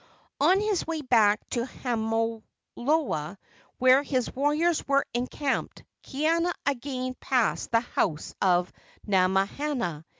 On his way back to Hamiloloa, where his warriors were encamped, Kaiana again passed the house of Namahana.